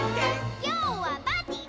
「きょうはパーティーだ！」